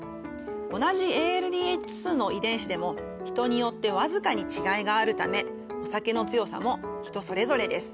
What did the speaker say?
同じＡＬＤＨ２の遺伝子でも人によって僅かに違いがあるためお酒の強さも人それぞれです。